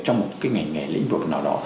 trong một cái ngành nghề lĩnh vực nào đó